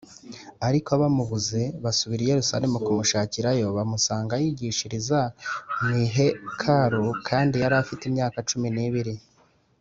Ariko bamubuze basubira i Yerusalemu kumushakirayo bamusanga yigishiriza mu ihekaru kandi yari afite imyaka cumi n’ibiri.